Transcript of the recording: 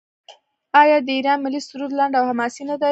آیا د ایران ملي سرود لنډ او حماسي نه دی؟